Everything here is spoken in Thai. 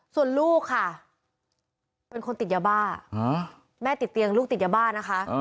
ส่วนลูกค่ะเป็นคนติดยาบ้าแม่ติดเตียงลูกติดยาบ้านะคะ